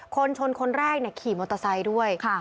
คนชนคนแรกเนี่ยขี่มอเตอร์ไซค์ด้วยค่ะ